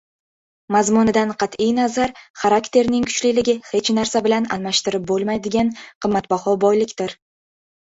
Mazmunidan qat’i nazar, xarakterning kuchliligi hech narsa bilan almashtirib bo‘lmaydigan qimmatbaho boylikdir.